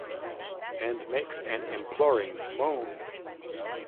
And makes an imploring moan.